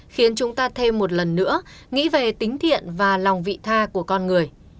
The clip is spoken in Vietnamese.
khiến chúng ta thêm một lần nữa nghĩ về tính thiện và lòng vị tha của con người